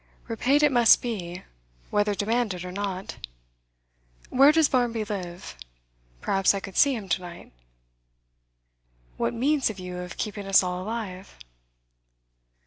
'Repaid it must be, whether demanded or not. Where does Barmby live? Perhaps I could see him to night.' 'What means have you of keeping us all alive?